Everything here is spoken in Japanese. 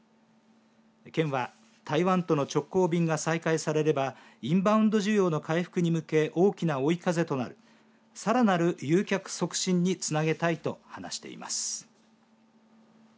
県は台湾との直行便が再開されればインバウンド需要の回復に向け大きな追い風となるさらなる誘客促進につなげたいと話しています。